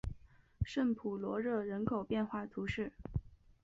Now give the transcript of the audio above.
圣普罗热人口变化图示